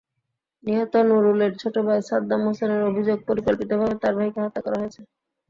নিহত নুরুলের ছোট ভাই সাদ্দাম হোসেনের অভিযোগ, পরিকল্পিতভাবে তাঁর ভাইকে হত্যা করা হয়েছে।